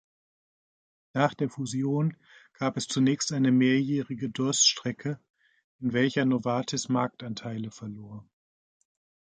Nach der Fusion gab es zunächst eine mehrjährige Durststrecke, in welcher Novartis Marktanteile verlor.